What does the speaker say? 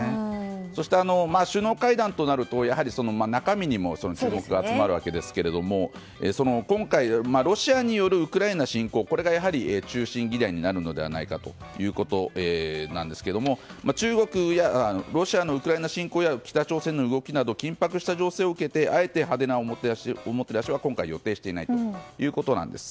そして、首脳会談となるとやはり中身にも注目が集まるわけですが今回、ロシアによるウクライナ侵攻これが中心議題になるのではないかということですがロシアのウクライナ侵攻や北朝鮮の動きなど緊迫した情勢を受けてあえて派手なおもてなしは今回は予定していないということなんです。